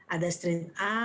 ada strain a ada strain b